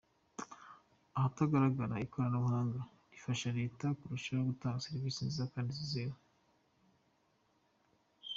Ahatagarara, ikoranabuhanga rifasha leta kurushaho gutanga serivisi nziza kandi zizewe.